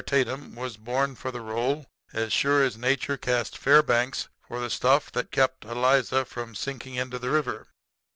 Tatum was born for the role as sure as nature cast Fairbanks for the stuff that kept Eliza from sinking into the river.